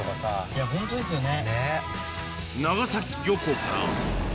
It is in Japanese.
いやホントですよね。